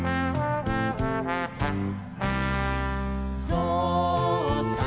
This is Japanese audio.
「ぞうさん